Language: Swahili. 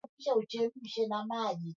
Kusudi lake ni zuri.